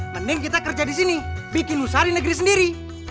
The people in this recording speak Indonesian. mending kita kerja di sini bikin lusari negeri sendiri